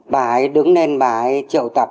bà ấy đứng lên bà ấy triệu tập